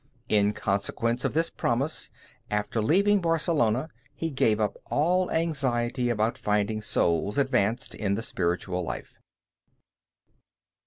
In consequence of this promise, after leaving Barcelona, he gave up all anxiety about finding souls advanced in the spiritual life.